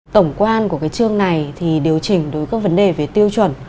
tổng quan của chương này điều chỉnh đối với các vấn đề về tiêu chuẩn